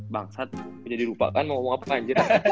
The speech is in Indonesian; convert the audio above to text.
bangsat punya dirupakan mau ngomong apa kan